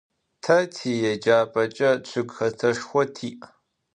Te tiêcap'eç'e ççıgxeteşşxo ti'.